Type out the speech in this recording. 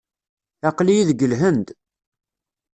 Aql-iyi deg Lhend.